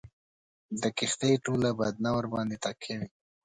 د کښتۍ ټوله بدنه ورباندي تکیه وي.